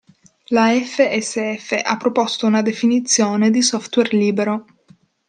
La FSF ha proposto una definizione di software libero.